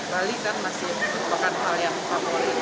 bali kan masih merupakan hal yang favorit